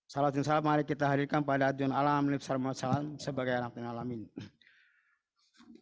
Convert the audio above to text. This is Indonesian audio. salam salam mari kita hadirkan pada adunan alam nipsal mahasiswa sebagai anak anak alam ini